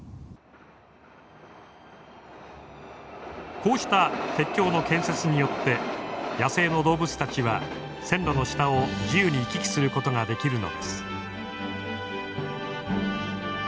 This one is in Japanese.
こうした鉄橋の建設によって野生の動物たちは線路の下を自由に行き来することができるのです。